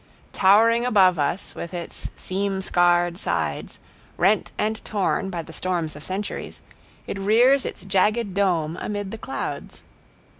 Towering above us with its seam scarred sides, rent and torn by the storms of centuries, it rears its jagged dome amid the clouds.